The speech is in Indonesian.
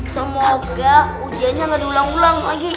semoga ujiannya nggak diulang ulang lagi